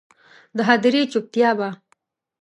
د هدیرې چوپتیا به،